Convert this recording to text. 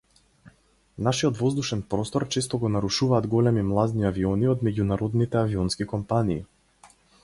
Нашиот воздушен простор често го нарушуваат големи млазни авиони од меѓународните авионски компании.